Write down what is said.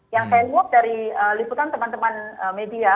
yang saya ingin tahu dari liputan teman teman media